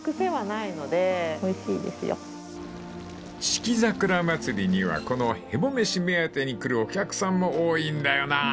［四季桜まつりにはこのへぼ飯目当てに来るお客さんも多いんだよなあ］